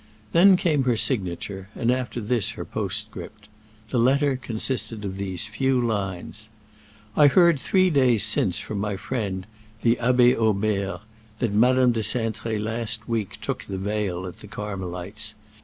Then came her signature, and after this her postscript. The latter consisted of these few lines: "I heard three days since from my friend, the Abbé Aubert, that Madame de Cintré last week took the veil at the Carmelites.